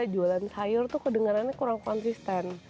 jualan sayur tuh kedengerannya kurang konsisten